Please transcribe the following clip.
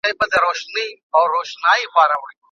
تاسو به د خپلي ژبي په خوږوالي کار کوئ.